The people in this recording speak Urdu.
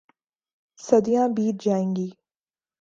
صدیاں بیت جائیں گی۔